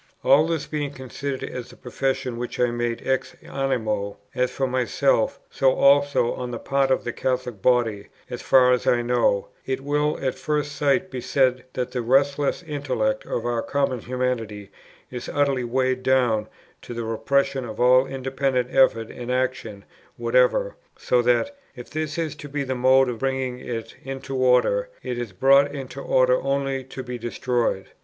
All this being considered as the profession which I make ex animo, as for myself, so also on the part of the Catholic body, as far as I know it, it will at first sight be said that the restless intellect of our common humanity is utterly weighed down, to the repression of all independent effort and action whatever, so that, if this is to be the mode of bringing it into order, it is brought into order only to be destroyed.